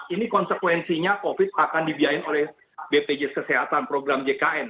ini konsekuensinya covid akan dibiayain oleh bpjs kesehatan program jkn